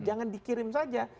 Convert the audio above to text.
jangan dikirim saja